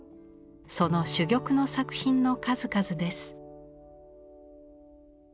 その珠玉の作品の数々です。